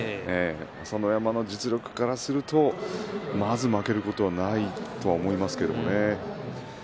朝乃山の実力からするとまず負けることはないと思いますけれどもね。